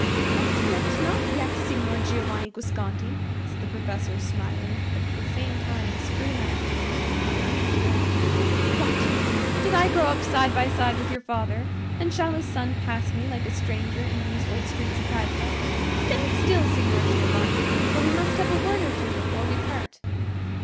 "Not yet, not yet, Signor Giovanni Guasconti," said the professor, smiling, but at the same time scrutinizing the youth with an earnest glance. "What! did I grow up side by side with your father? and shall his son pass me like a stranger in these old streets of Padua? Stand still, Signor Giovanni; for we must have a word or two before we part."